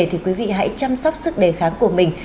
thì quý vị hãy chăm sóc sức đề kháng của mình